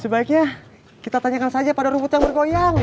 sebaiknya kita tanyakan saja pada rumput yang bergoyang